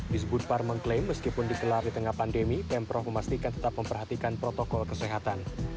disbut par mengklaim meskipun dikelar di tengah pandemi pemprov memastikan tetap memperhatikan protokol kesehatan